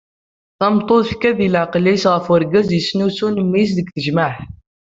Tameṭṭut tekka deg leɛqel-is ɣef urgaz yesnusun mmi-s deg tejmeɛt!